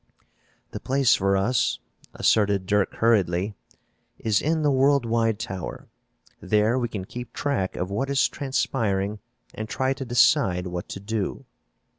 "The place for us," asserted Dirk hurriedly, "is in the Worldwide Tower. There we can keep track of what is transpiring and try to decide what to do."